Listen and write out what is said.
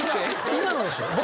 今のですよ。